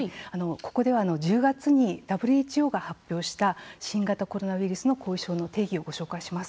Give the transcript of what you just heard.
ここでは１０月にＷＨＯが発表した新型コロナウイルスの後遺症の定義を発表します。